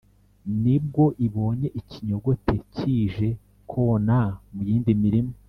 nibwo ibonye ikinyogote kije kona mu yindi mirima;